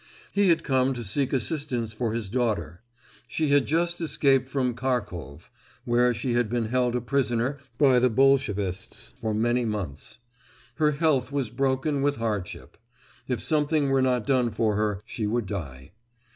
He had come to seek assistance for his daughter. She had just escaped from Kharkov, where she had been held a prisoner by the Bolshevists for many months. Her health was broken with hardship; if something were not done for her, she would die.